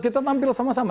kita tampil sama sama